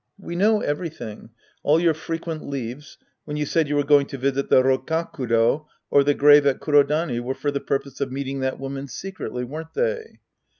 We know everything. All your frequent leaves when you said you were going to visit the Rokkakudo or the grave at Kurodani were for the purpose of meeting that woman secretly, weren't they